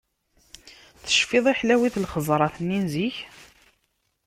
Tefciḍ i ḥlawit lxeẓrat-nni zik?!